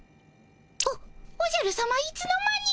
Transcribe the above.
おおじゃるさまいつの間に。